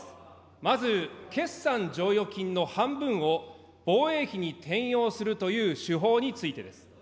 まず、決算剰余金の半分を防衛費に転用するという手法についてです。